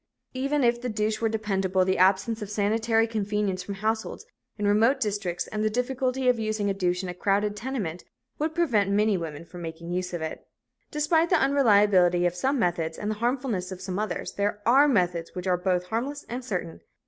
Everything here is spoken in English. Even if the douche were dependable, the absence of sanitary convenience from households in remote districts and the difficulty of using a douche in crowded tenements would prevent many women from making use of it. Despite the unreliability of some methods and the harmfulness of some others, there are methods which are both harmless and certain.